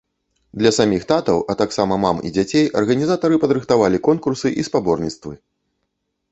Для саміх татаў, а таксама мам і дзяцей арганізатары падрыхтавалі конкурсы і спаборніцтвы.